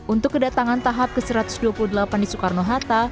untuk kedatangan tahap ke satu ratus dua puluh delapan di soekarno hatta